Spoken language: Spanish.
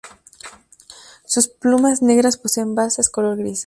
Sus plumas negras poseen bases color gris.